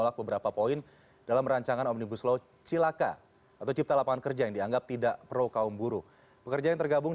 terima kasih sudah bergabung